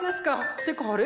ってかあれ？